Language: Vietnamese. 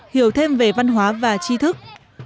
hiểu thêm về văn hóa và chi thức